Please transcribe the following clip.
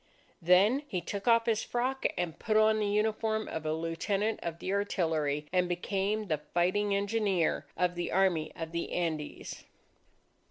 Then, he took off his frock, put on the uniform of a lieutenant of the artillery, and became the fighting engineer of the Army of the Andes.